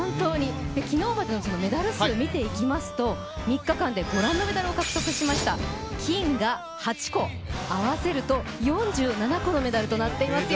昨日までのメダル数を見てみますと３日間でご覧のメダルを獲得しました、金が８個合わせると４７個のメダルとなっていますよ。